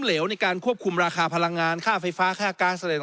เหลวในการควบคุมราคาพลังงานค่าไฟฟ้าค่าการ์เสลด